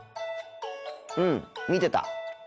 うん見てた。